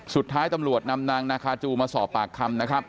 สุดท้ายตำรวจนำนางนาคาจูมาสอบปากคำนะครับ